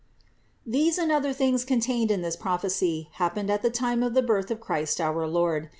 These and other things contained in this prophecy happened at the time of the birth of Christ our Lord.